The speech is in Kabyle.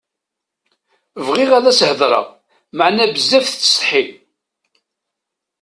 Bɣiɣ ad s-heḍṛeɣ meɛna bezzaf tettsetḥi.